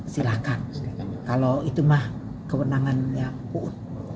silakan kalau itu mah kewenangannya pun